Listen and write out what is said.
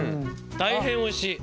大変おいしい。